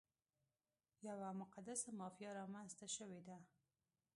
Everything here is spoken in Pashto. یوه مقدسه مافیا رامنځته شوې ده.